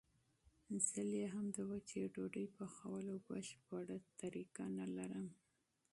زه لا هم د وچې ډوډۍ پخولو بشپړه طریقه نه لرم.